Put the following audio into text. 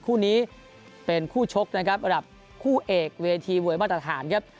คู่นี้เป็นคู่ชกนะครับระดับคู่เอกเวทีมวยมาตรฐานครับ